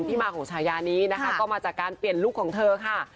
ที่มาของฉายานี้นะคะก็มาจากการเปลี่ยนลุคของเธอค่ะ